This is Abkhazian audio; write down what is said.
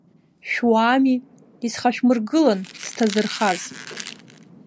Шәуаами, исхашәмыргылан сҭазырхаз.